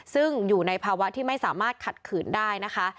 ซึ่งอยู่ในภาวะที่ไม่สามารถขัดขืนได้นะคะ